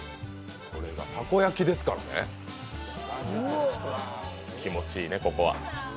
たこ焼きですからね、気持ちいいねここは。